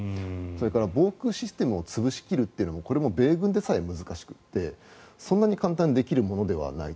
それから防空システムを潰し切るというのもこれも米空でさえ難しくてそんなに簡単にできるものではない。